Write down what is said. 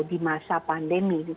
di masa pandemi